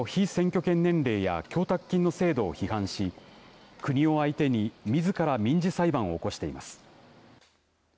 現在の被選挙権年齢や供託金の制度を批判し国を相手にみずから民事裁判を起こしています。